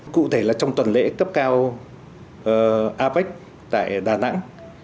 cụ thể là trong tuần lễ cấp cao apec tại đà nẵng